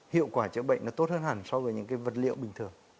hiệu quả chữa bệnh nó tốt hơn hẳn so với những cái vật liệu bình thường